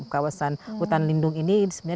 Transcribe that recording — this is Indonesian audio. kawasan hutan lindung ini sebenarnya